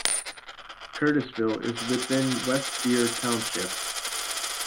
Curtisville is within West Deer Township.